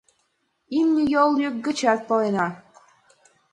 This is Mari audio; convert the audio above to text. Имне йол йӱк гычат палена.